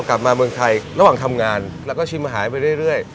กลับมาเมืองไทยระหว่างทำงานแล้วก็ชิมหายไปเรื่อย